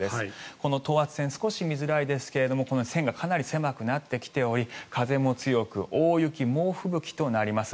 この等圧線、少し見づらいですが線がかなり狭くなってきており風も強く大雪、猛吹雪となります。